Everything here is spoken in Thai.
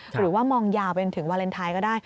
หรือว่ามองยาวไปถึงวาเลนไทยก็ได้